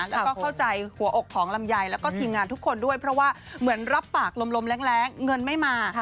แล้วก็เข้าใจหัวอกของลำไยแล้วก็ทีมงานทุกคนด้วยเพราะว่าเหมือนรับปากลมแรงเงินไม่มา